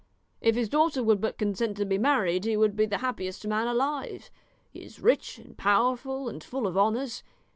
If his daughter would but consent to be married he would be the happiest man alive. He is rich and powerful and full of honours.